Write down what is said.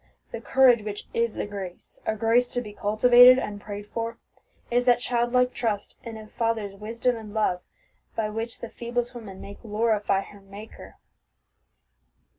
The courage which is a grace, a grace to be cultivated and prayed for, is that childlike trust in a Father's wisdom and love, by which the feeblest woman may glorify her Maker."